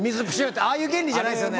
ああいう原理じゃないですよね？